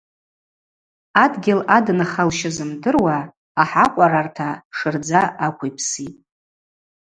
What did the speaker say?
Адгьыл адынхалща зымдыруа ахӏакъварарта шырдза аквипситӏ.